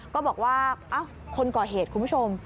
ก็บอกว่าคนก่อเหตุคุณผู้ชม